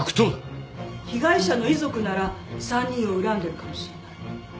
被害者の遺族なら３人を恨んでるかもしれない。